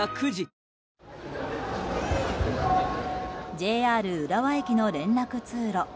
ＪＲ浦和駅の連絡通路。